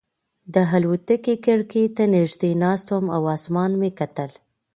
د الوتکې کړکۍ ته نږدې ناست وم او اسمان مې کتل.